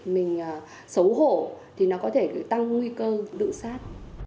mình xấu hổ thì nó có thể tăng nguy cơ tự sát